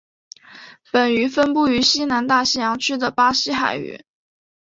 本鱼分布于西南大西洋区的巴西海域。